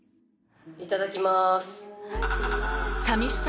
いただきます。